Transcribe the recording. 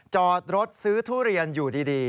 จอดรถซื้อทุเรียนอยู่ดี